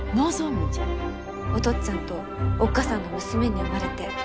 お父っつぁんとおっ母さんの娘に生まれて本当に幸せでした！